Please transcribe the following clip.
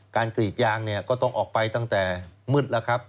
กรีดยางเนี่ยก็ต้องออกไปตั้งแต่มืดแล้วครับ